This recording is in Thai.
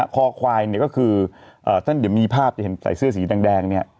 คอควายเนี่ยก็คือท่านเดี๋ยวมีภาพจะเห็นใส่เสื้อสีแดงเนี่ย